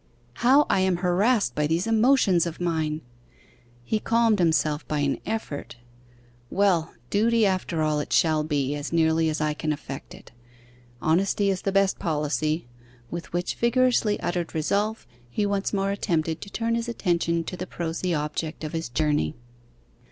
'How I am harassed by these emotions of mine!' He calmed himself by an effort. 'Well, duty after all it shall be, as nearly as I can effect it. "Honesty is the best policy;"' with which vigorously uttered resolve he once more attempted to turn his attention to the prosy object of his journey.